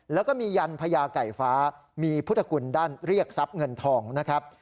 แล้วก็มียันพญาไก่ฟ้ามีพุทธคุณด้านเรียกทรัพย์เงินทองนะครับ